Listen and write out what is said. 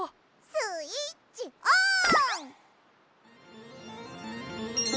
スイッチオン！